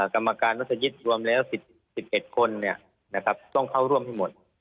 กรรมการมัศยิตรวมแล้ว๑๑คนต้องเข้าร่วมให้หมด